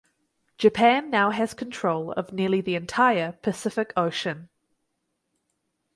Japan now has control of nearly the entire Pacific Ocean.